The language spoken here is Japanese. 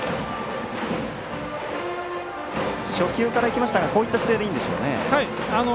初球からいきましたがこういった姿勢でいいんでしょうね。